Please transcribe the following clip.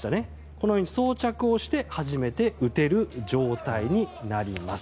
このように装着をして初めて撃てる状態になります。